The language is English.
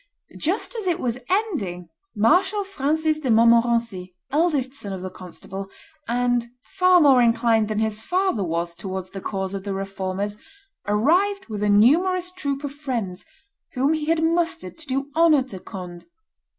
Just as it was ending, Marshal Francis de Montmorency, eldest son of the constable, and far more inclined than his father was towards the cause of the Reformers, arrived with a numerous troop of friends, whom he had mustered to do honor to Conde.